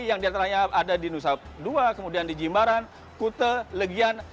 yang diantaranya ada di nusa dua kemudian di jimbaran kute legian